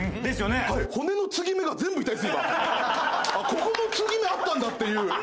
ここも継ぎ目あったんだっていう。